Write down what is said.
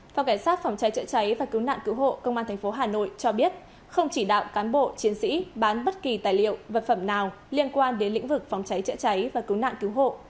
phòng cảnh sát phòng cháy chữa cháy và cứu nạn cứu hộ công an tp hà nội cho biết không chỉ đạo cán bộ chiến sĩ bán bất kỳ tài liệu vật phẩm nào liên quan đến lĩnh vực phòng cháy chữa cháy và cứu nạn cứu hộ